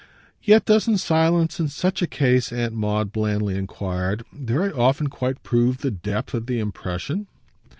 "Yet doesn't silence in such a case," Aunt Maud blandly enquired, "very often quite prove the depth of the impression?"